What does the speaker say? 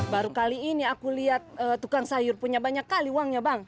baru kali ini aku lihat tukang sayur punya banyak kali uangnya bang